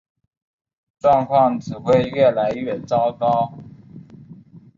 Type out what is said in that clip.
状况只会越来越糟糕